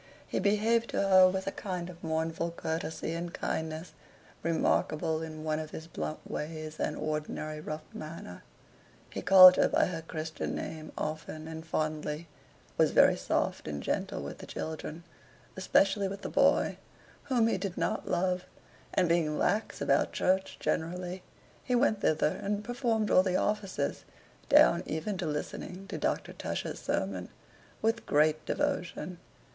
He behaved to her with a kind of mournful courtesy and kindness remarkable in one of his blunt ways and ordinary rough manner. He called her by her Christian name often and fondly, was very soft and gentle with the children, especially with the boy, whom he did not love, and being lax about church generally, he went thither and performed all the offices (down even to listening to Dr. Tusher's sermon) with great devotion.